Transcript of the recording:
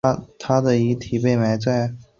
她的遗体被埋葬在马德里阿尔穆德纳公墓。